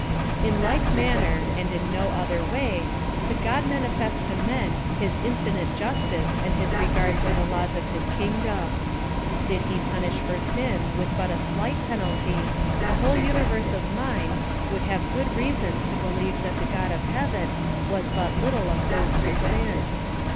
In like manner, and in no other way, could God manifest to men his infinite justice and his regard for the laws of his kingdom. Did he punish for sin with but a slight penalty, the whole universe of mind would have good reason to believe that the God of heaven was but little ooposed to sin.